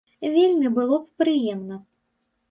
Вельмі было б прыемна.